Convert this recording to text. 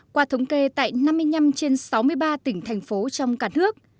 qua thống kê tại năm mươi năm trên sáu mươi ba tỉnh thành phố trong cả nước